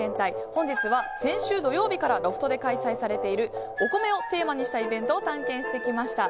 本日は先週土曜日からロフトで開催されているお米をテーマにしたイベントを探検してきました。